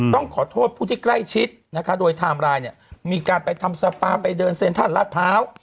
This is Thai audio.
ต้องขอโทษผู้ที่ใกล้ชิดนะคะโดยไทม์ไลน์เนี่ยมีการไปทำสปาไปเดินเซ็นทรัลลาดพร้าว